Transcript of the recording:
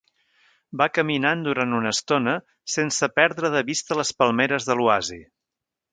Va caminant durant una estona, sense perdre de vista les palmeres de l'oasi.